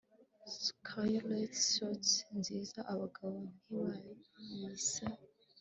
Caerliel sooth nziza abagabo ntibayise